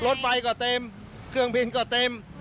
รถไฟก็เต็มเครื่องบินก็เต็ม